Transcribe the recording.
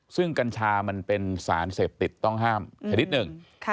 ซึ่งกัญชามันเป็นสารเสพติดต้องห้ามชนิดหนึ่ง